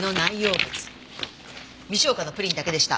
未消化のプリンだけでした。